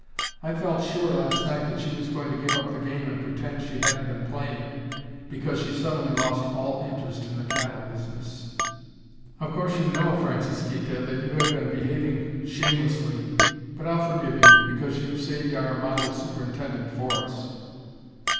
I felt sure last night that she was going to give up the game and pretend she hadn't been playing, because she suddenly lost all interest in the cattle business." "Of course you know, Francisquita, that you have been behaving shamelessly; but I'll forgive you, because you've saved our model superintendent for us."